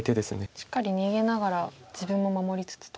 しっかり逃げながら自分も守りつつと。